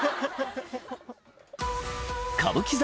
歌舞伎座